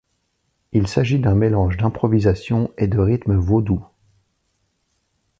Il s'agit d'un mélange d'improvisation et de rythmes vaudous.